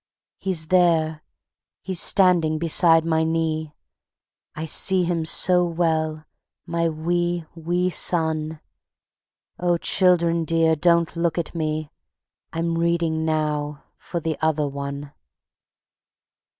He's there he's standing beside my knee; I see him so well, my wee, wee son. ... Oh, children dear, don't look at me I'm reading now for the Other One.